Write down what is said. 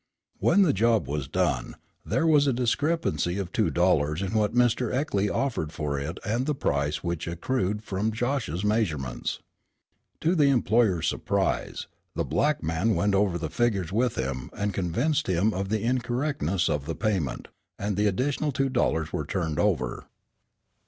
When the job was done, there was a discrepancy of two dollars in what Mr. Eckley offered for it and the price which accrued from Josh's measurements. To the employer's surprise, the black man went over the figures with him and convinced him of the incorrectness of the payment, and the additional two dollars were turned over.